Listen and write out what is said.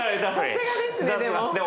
さすがですねでも。